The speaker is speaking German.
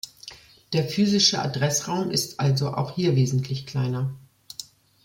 Der physische Adressraum ist also auch hier wesentlich kleiner.